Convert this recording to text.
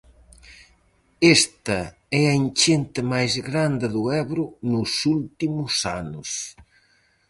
Esta é a enchente máis grande do Ebro nos últimos anos.